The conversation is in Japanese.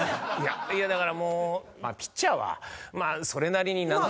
いやだからもうピッチャーはそれなりになんとか。